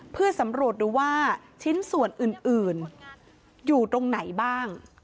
เพื่อสำรวจดูว่าชิ้นส่วนอื่นอยู่ตรงไหนบ้าง